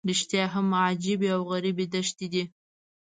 رښتیا هم عجیبې او غریبې دښتې دي.